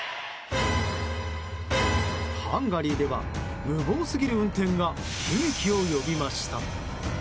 ハンガリーでは、無謀すぎる運転が悲劇を呼びました。